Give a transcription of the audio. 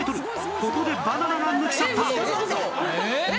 ここでバナナが抜き去った！